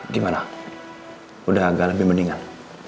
gimana udah agak lebih mendingan